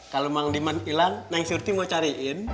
kalo mang diman ilang yang surti mau cariin